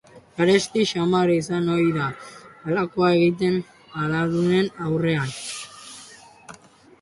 Garesti xamar izan ohi da halakoak egitea adardunen aurrean.